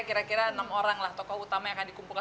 kira kira enam orang lah tokoh utama yang akan dikumpulkan